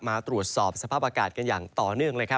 มาตรวจสอบสภาพอากาศกันอย่างต่อเนื่อง